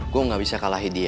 gue gak bisa kalahin dia